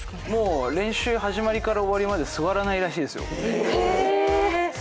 もう練習始まりから終わりまで座らないらしいですよ。